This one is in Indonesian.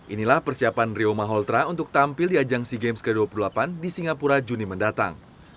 inilah persiapan rio maholtra untuk tampil di ajang sea games ke dua puluh delapan di singapura juni mendatang